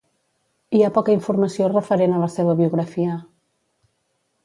Hi ha poca informació referent a la seva biografia.